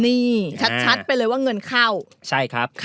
นี่ชัดไปเลยว่าเงินเข้า